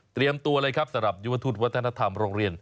ตัวเลยครับสำหรับยุทธวัฒนธรรมโรงเรียน